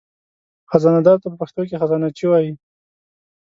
خزانهدار ته په پښتو کې خزانهچي وایي.